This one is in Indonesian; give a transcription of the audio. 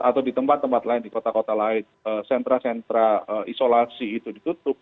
atau di tempat tempat lain di kota kota lain sentra sentra isolasi itu ditutup